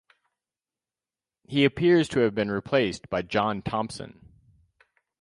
He appears to have been replaced by John Thompson.